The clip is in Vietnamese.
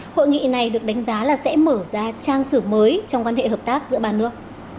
hội nghị này được đánh giá là sẽ mở ra trang sử mới trong quan hệ hợp tác giữa ba nước